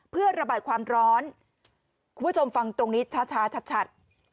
เพื่อระบายความร้อนคุณผู้ชมฟังตรงนี้ช้าชัด